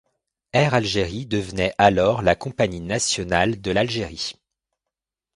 Air Algérie devenait alors la compagnie nationale de l'Algérie.